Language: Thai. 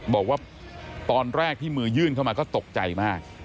บอกว่าตอนแรกที่มือยื่นเข้ามาก็ตกใจมาก